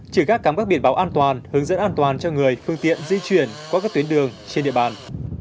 trừ gác cắm các biển báo an toàn hướng dẫn an toàn cho người phương tiện di chuyển qua các tuyến đường trên địa bàn